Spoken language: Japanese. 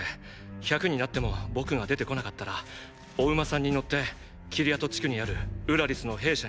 １００になっても僕が出てこなかったらお馬さんに乗ってキリヤト地区にあるウラリスの兵舎に行くんだ。